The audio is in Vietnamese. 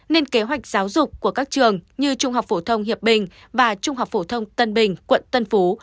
nên kế hoạch giáo dục của các trường như trung học phổ thông hiệp bình và trung học phổ thông tân bình quận tân phú